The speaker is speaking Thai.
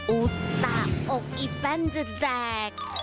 อุตตะอกอีแฟนจัดแจก